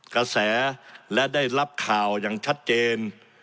กระแสและได้รับข่าวอย่างชัดเจน